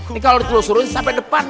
ini kalo ditelusurin sampai depan